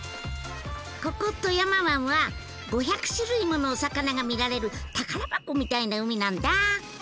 ここ富山湾は５００種類ものお魚が見られる宝箱みたいな海なんだ！